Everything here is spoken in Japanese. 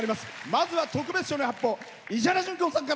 まずは特別賞の発表。